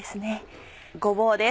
ごぼうです